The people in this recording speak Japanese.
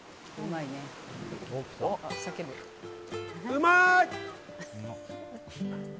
うまーい！